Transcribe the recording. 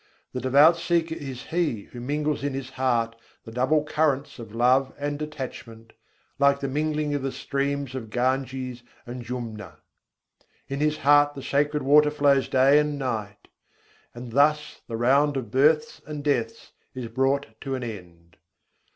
The devout seeker is he who mingles in his heart the double currents of love and detachment, like the mingling of the streams of Ganges and Jumna; In his heart the sacred water flows day and night; and thus the round of births and deaths is brought to an end.